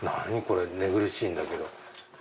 これ寝苦しいんだけど。